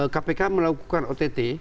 kpk melakukan ott